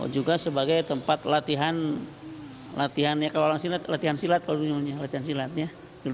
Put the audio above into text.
juga sebagai tempat latihan latihan silat kalau dinyamanya latihan silatnya